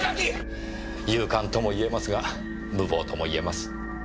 勇敢ともいえますが無謀ともいえます。